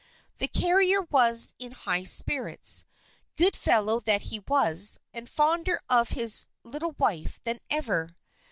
The carrier was in high spirits, good fellow that he was, and fonder of his little wife than ever.